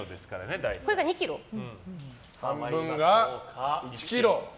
半分が１ｋｇ。